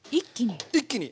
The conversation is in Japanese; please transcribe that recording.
一気に。